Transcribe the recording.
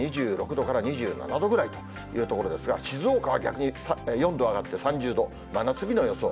２６度から２７度ぐらいというところですが、静岡は逆に４度上がって３０度、真夏日の予想。